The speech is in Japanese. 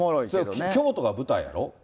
京都が舞台やろ？